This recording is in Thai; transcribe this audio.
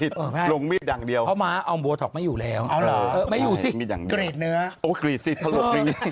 เด็กพี่ไก่ก็เด็กพี่ไก่ก็แบบเด็กเลย